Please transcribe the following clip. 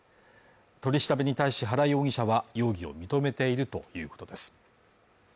取り調べに対し原容疑者は容疑を認めているということです